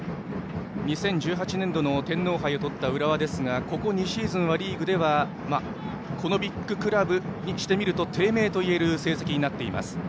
２０１８年度の天皇杯をとった浦和ですがここ２シーズンは、リーグではこのビッグクラブにしてみると低迷といえる成績となっています。